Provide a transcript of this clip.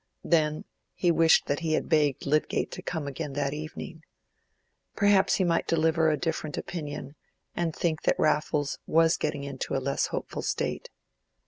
Then, he wished that he had begged Lydgate to come again that evening. Perhaps he might deliver a different opinion, and think that Raffles was getting into a less hopeful state.